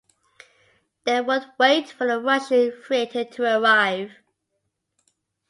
They would wait for a Russian freighter to arrive.